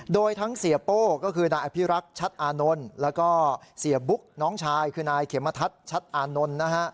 โดยทั้งเสียโป้ก็คือนายอภิรักษ์ชัดอานนท์แล้วก็เสียบุ๊กน้องชายคือนายเขมทัศน์ชัดอานนท์นะฮะ